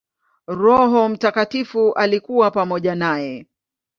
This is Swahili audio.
Roho Mtakatifu alikuwa pamoja naye.